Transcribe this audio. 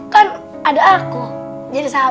kan ada aku jadi sahabat